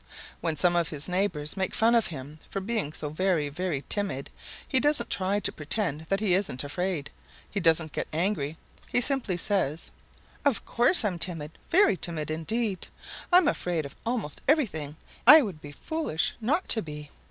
When some of his neighbors make fun of him for being so very, very timid he doesn't try to pretend that he isn't afraid. He doesn't get angry. He simply says: "Of course I'm timid, very timid indeed. I'm afraid of almost everything. I would be foolish not to be.